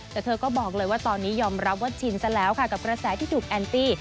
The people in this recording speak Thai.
แต่เธอก็บอกเลยว่าตอนนี้ยอมรับว่าชินซะแล้วค่ะกับกระแสที่ถูกแอนตี้